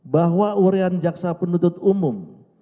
bahwa urian jaksa penuntut umum